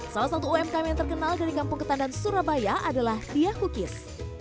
salah satu umkm yang terkenal dari kampung ketandan surabaya adalah dia kukis